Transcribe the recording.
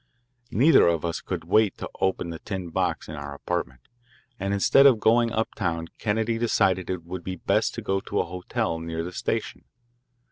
Neither of us could wait to open the tin box in our apartment, and instead of going uptown Kennedy decided it would be best to go to a hotel near the station.